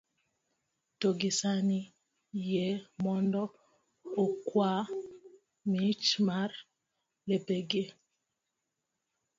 to gi sani, yie mondo ukaw mich mar lepegi